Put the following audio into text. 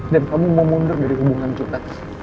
dan kamu mau mundur dari hubungan kita